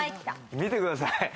見てください。